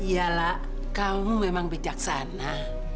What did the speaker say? iyalah kamu memang bijaksana